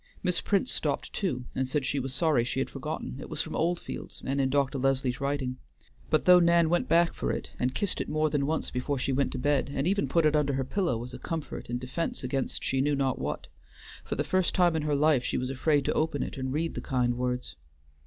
Miss Prince stopped too, and said she was sorry she had forgotten, it was from Oldfields, and in Dr. Leslie's writing. But though Nan went back for it, and kissed it more than once before she went to bed, and even put it under her pillow as a comfort and defense against she knew not what, for the first time in her life she was afraid to open it and read the kind words.